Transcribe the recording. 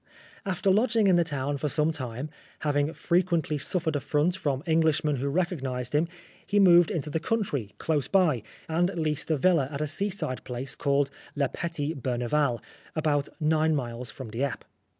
After lodging in the town for some time, having frequently suffered affront from Englishmen who recognised him, he moved into the country, close by, and leased a villa at a seaside place called Le Petit Berneval, about nine miles from Dieppe.